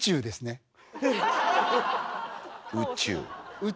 宇宙。